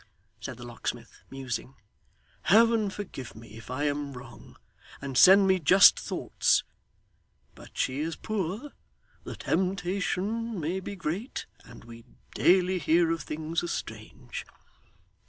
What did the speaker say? said the locksmith, musing. 'Heaven forgive me if I am wrong, and send me just thoughts; but she is poor, the temptation may be great, and we daily hear of things as strange.